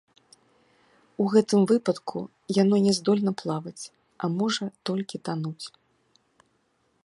У гэтым выпадку яно не здольна плаваць, а можа толькі тануць.